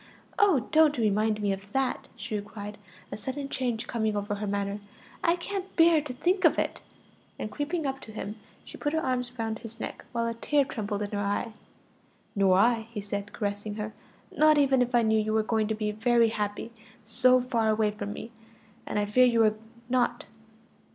"Oh, don't remind me of that!" she cried, a sudden change coming over her manner. "I can't bear to think of it!" and creeping up to him, she put her arms around his neck, while a tear trembled in her eye. "Nor I," he said, caressing her; "not even if I knew you were going to be very happy so far away from me; and I fear you are not.